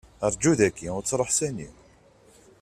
Rju dayi, ur ttruḥ sani.